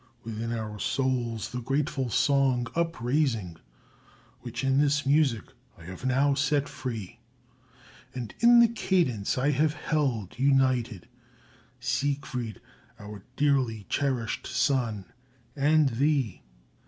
Within our souls the grateful song upraising Which in this music I have now set free. And in this cadence I have held, united, Siegfried, our dearly cherished son, and thee.